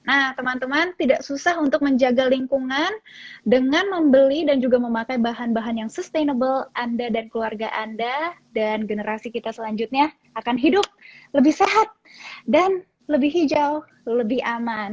nah teman teman tidak susah untuk menjaga lingkungan dengan membeli dan juga memakai bahan bahan yang sustainable anda dan keluarga anda dan generasi kita selanjutnya akan hidup lebih sehat dan lebih hijau lebih aman